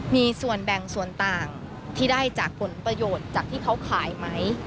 มีส่วนแบ่งส่วนต่างที่ได้จากผลประโยชน์จากที่เขาขายไหม